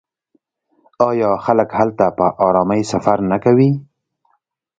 آیا خلک هلته په ارامۍ سفر نه کوي؟